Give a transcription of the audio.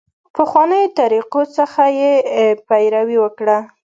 پخوانیو طریقو څخه یې پیروي وکړه.